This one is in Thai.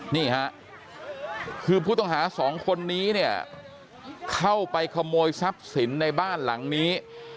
นี่ฮะคือผู้ต้องหาสองคนนี้เนี่ยเข้าไปขโมยทรัพย์สินในบ้านหลังนี้